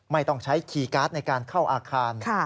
ไม่ต้องใช้คีย์การ์ดในการเข้าอาคาร